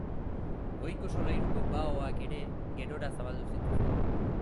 Goiko solairuko baoak ere gerora zabaldu zituzten.